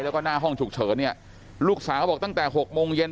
แล้วก็หน้าห้องฉุกเฉินเนี่ยลูกสาวบอกตั้งแต่๖โมงเย็น